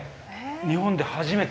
日本で初めて？